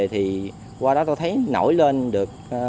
thì qua đó tôi thấy nổi lên được